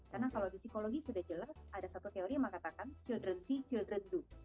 karena kalau di psikologi sudah jelas ada satu teori yang mengatakan children see children do